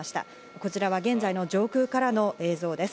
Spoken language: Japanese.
こちらは現在の上空からの映像です。